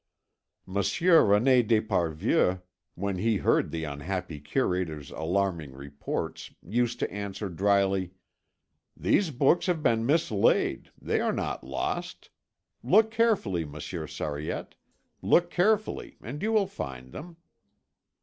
Monsieur René d'Esparvieu, when he heard the unhappy curator's alarming reports, used to answer drily: "These books have been mislaid, they are not lost; look carefully, Monsieur Sariette, look carefully and you will find them."